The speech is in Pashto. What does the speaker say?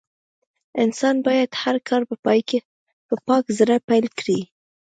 انسان بايد هر کار په پاک زړه پيل کړي.